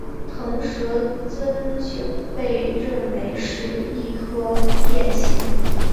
螣蛇增九被认为是一颗变星。